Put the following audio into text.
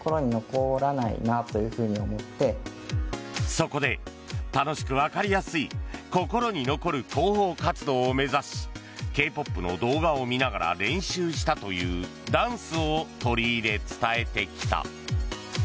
そこで、楽しく、わかりやすい心に残る広報活動を目指しＫ−ＰＯＰの動画を見ながら練習したというダンスを取り入れ、伝えてきた。